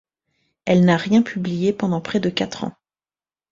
Elle n'a rien publié pendant près de quatre ans.